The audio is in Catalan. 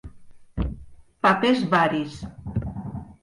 Papers varis.